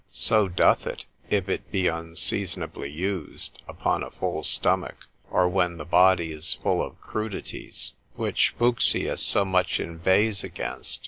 So doth it, if it be unseasonably used, upon a full stomach, or when the body is full of crudities, which Fuchsius so much inveighs against, lib. 2. instit.